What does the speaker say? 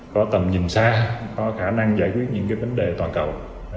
có tầm nhìn xa có khả năng giải quyết những vấn đề toàn cầu